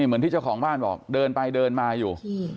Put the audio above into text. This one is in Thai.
เหมือนที่เจ้าของบ้านบอกเดินไปเดินมาอยู่